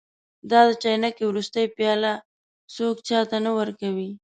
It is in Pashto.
دا د چاینکې وروستۍ پیاله څوک چا ته نه ورکوي.